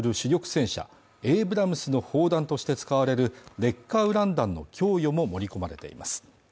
戦車エイブラムスの砲弾として使われる劣化ウラン弾の供与も盛り込まれています